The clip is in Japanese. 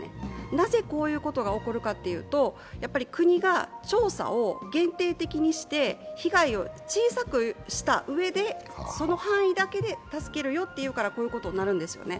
なぜこういうことが起こるかというと、国が調査を限定的にして、被害を小さくしたうえで、その範囲だけで助けるよというからこういうことになるんですよね。